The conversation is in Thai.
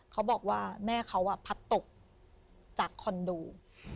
เขาบอกว่าแม่เขาพัดตกจากคอนโด